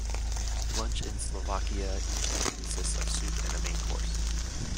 Lunch in Slovakia usually consists of soup and a main course.